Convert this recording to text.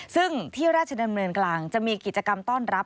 ซึ่งที่ราชดำเนินกลางจะมีกิจกรรมต้อนรับ